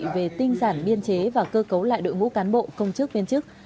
về tinh giản biên chế và cơ cấu lại đội ngũ cán bộ công chức viên chức